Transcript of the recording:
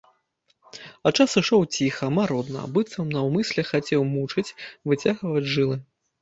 А час ішоў ціха, марудна, быццам наўмысля хацеў мучыць, выцягваць жылы.